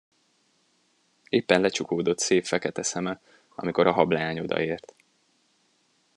Éppen lecsukódott szép fekete szeme, amikor a hableány odaért.